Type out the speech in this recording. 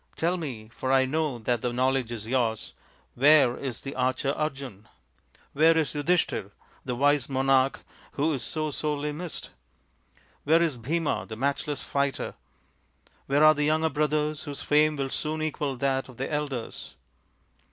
Tell me, for I know that the knowledge is yours, where is the archer Arjun? where is Yudhishthir, the wise monarch who is so sorely missed? where is Bhima, the matchless fighter? where are the younger brothers whose fame will soon equal that of their elders